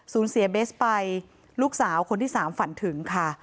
เสียเบสไปลูกสาวคนที่สามฝันถึงค่ะ